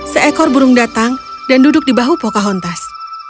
seekor burung datang dan duduk di bahu pocahontas